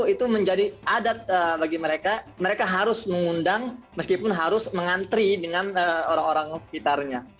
itu menjadi adat bagi mereka mereka harus mengundang meskipun harus mengantri dengan orang orang sekitarnya